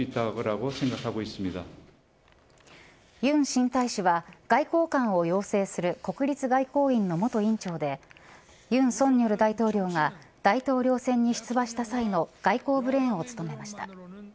尹新大使は外交官を養成する国立外交院の元院長で尹錫悦大統領が大統領選に出馬した際の外交ブレーンを務めました。